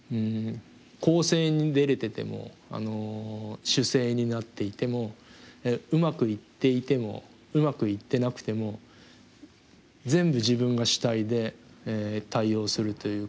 攻勢に出れてても守勢になっていてもうまくいっていてもうまくいってなくても全部自分が主体で対応するということ。